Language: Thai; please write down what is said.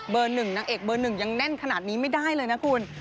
เบอร์หนึ่งนางเอกเบอร์หนึ่งยังแน่นขนาดนี้ไม่ได้เลยนะคุณ